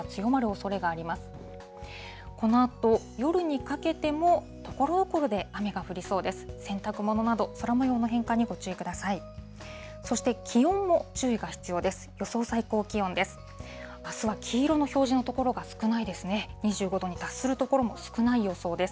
そして、気温も注意が必要です。